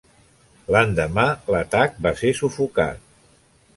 L'endemà, l'atac va ser sufocat.